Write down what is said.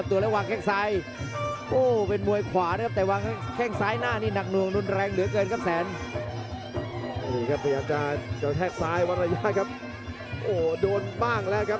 โอ้โหครับทีมในซ้ายครับตัวเป๋ย